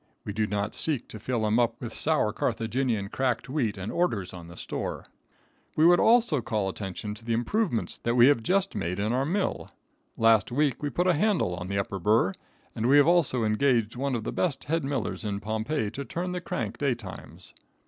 We do not seek to fill him up with sour Carthagenian cracked wheat and orders on the store. We would also call attention to the improvements that we have just made in our mill. Last week we put a handle in the upper burr, and we have also engaged one of the best head millers in Pompeii to turn the crank day times.